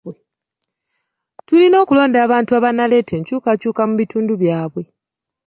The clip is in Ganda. Tulina okulonda abantu abanaaleeta enkyukakyuka mu bitundu bya mmwe.